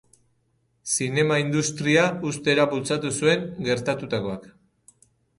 Zinema industria uztera bultzatu zuen gertatutakoak.